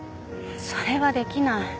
それはできない。